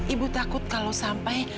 ibu takut kalau sampai